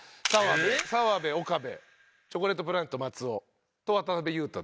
澤部岡部チョコレートプラネット松尾と渡邊雄太という。